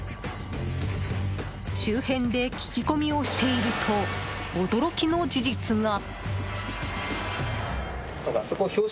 周辺で聞き込みをしていると驚きの事実が！